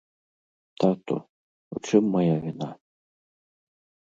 Тату, у чым мая віна?